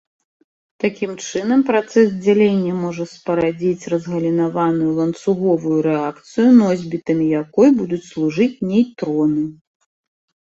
Такім чынам, працэс дзялення можа спарадзіць разгалінаваную ланцуговую рэакцыю, носьбітамі якой будуць служыць нейтроны.